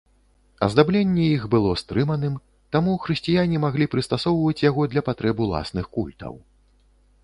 Аздабленне іх было стрыманым, таму хрысціяне маглі прыстасоўваць яго для патрэб уласных культаў.